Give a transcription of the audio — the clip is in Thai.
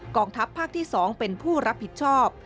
ทัพภาคที่๒เป็นผู้รับผิดชอบ